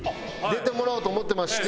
出てもらおうと思ってまして。